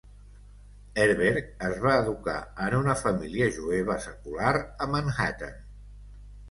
Herberg es va educar en una família jueva secular a Manhattan.